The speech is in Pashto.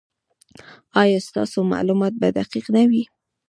ایا ستاسو معلومات به دقیق نه وي؟